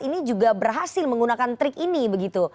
ini juga berhasil menggunakan trik ini begitu